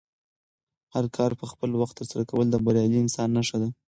هر کار په خپل وخت ترسره کول د بریالي انسان نښه ده.